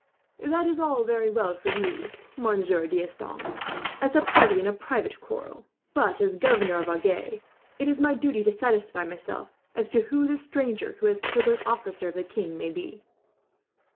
"That is all very well for you, Monsieur D'Estanges, as a party in a private quarrel; but as governor of Agen, it is my duty to satisfy myself as to who this stranger, who has killed an officer of the king, may be."